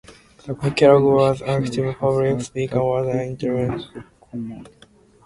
Kellogg was an active public speaker and was an "indefatigable worker for women suffrage".